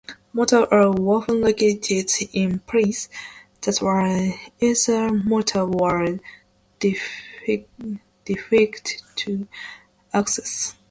Motes are often located in places that are either remote or difficult to access.